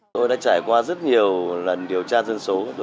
tôi đã trải qua rất nhiều lần điều tra dân số